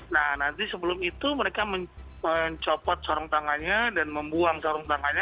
nah nanti sebelum itu mereka mencopot sarung tangannya dan membuang sarung tangannya